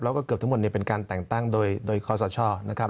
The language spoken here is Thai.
แล้วก็เกือบทั้งหมดเป็นการแต่งตั้งโดยคอสชนะครับ